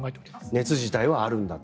熱自体はあるんだと。